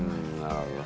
なるほど。